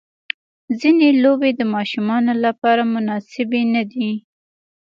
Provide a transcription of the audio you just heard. ځینې لوبې د ماشومانو لپاره مناسبې نه دي.